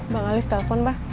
bang alif telepon bah